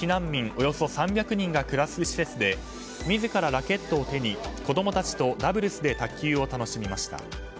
およそ３００人が暮らす施設で自らラケットを手に、子供たちとダブルスで卓球を楽しみました。